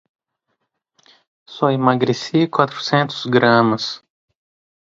Só emagreci quatrocentos gramas.